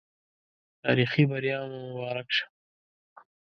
تاريخي بریا مو مبارک سه